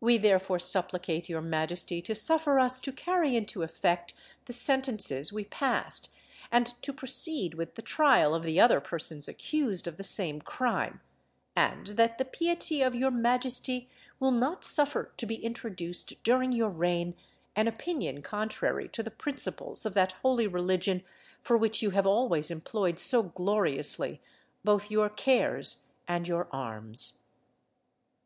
We therefore supplicate your majesty to suffer us to carry into effect the sentences we passed, and to proceed with the trial of the other persons accused of the same crime; and that the piety of your majesty will not suffer to be introduced during your reign an opinion contrary to the principles of that holy religion for which you have always employed so gloriously both your cares and your arms."